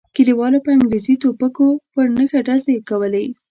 کلیوالو په انګریزي ټوپکو پر نښه ډزې کولې.